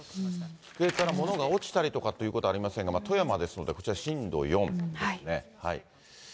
上から物が落ちたりということはありませんでしたが、富山ですのでこちら震度４ですね。